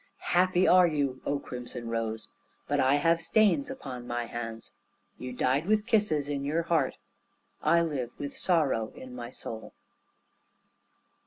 Happy are you, O crimson rose, But I have stains upon my hands; You died with kisses in your heart, I live with sorrow in my soul.